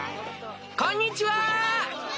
・こんにちは！